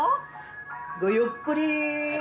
ごゆっくり。